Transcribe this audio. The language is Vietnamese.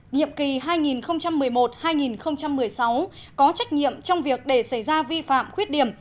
nhiệm kỳ hai nghìn một mươi một hai nghìn một mươi sáu có trách nhiệm trong việc để xảy ra vi phạm khuyết điểm